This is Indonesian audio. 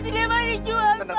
saya tidak mau dijual saya mohon